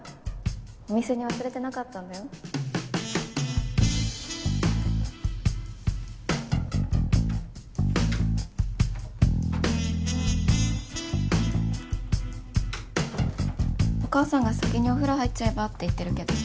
お店に忘れてなかったんお義母さんが先にお風呂入っちゃえばって言ってるけど。